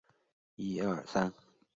该湖的沉积物主要为芒硝和石盐。